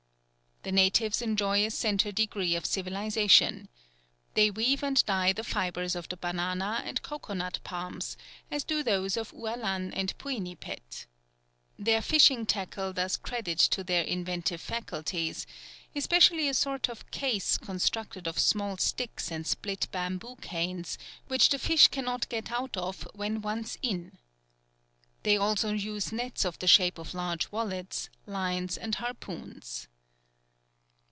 The natives enjoy a centre degree of civilization. They weave and dye the fibres of the banana and cocoa nut palms, as do those of Ualan and Puinipet. Their fishing tackle does credit to their inventive faculties, especially a sort of case constructed of small sticks and split bamboo canes, which the fish cannot get out of when once in. They also use nets of the shape of large wallets, lines, and harpoons.